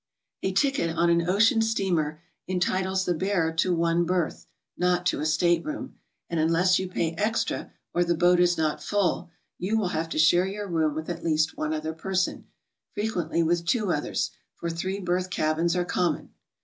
A ticket on an ocean steamer entitles the bearer to one berth, not to a stateroom, and unless you pay extra or the boat is not full, you will have to share your room with at least one other person, frequently with two others, for three berth cabins are common.